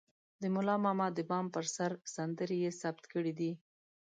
د ملا ماما د بام پر سر سندرې يې ثبت کړې دي.